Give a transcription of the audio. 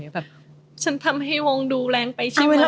แบบฉันทำให้วงดูแรงไปใช่ไหม